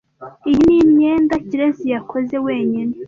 Iyi ni imyenda Kirezi yakoze wenyine.